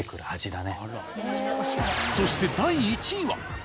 そして第１位は。